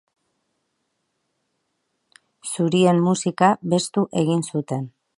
Zurien musika beztu egin zuten.